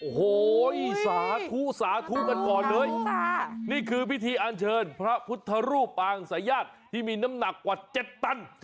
โอ้โหสาธุสาธุกันก่อนเลยนี่คือพิธีอันเชิญพระพุทธรูปปางสายญาติที่มีน้ำหนักกว่า๗ตัน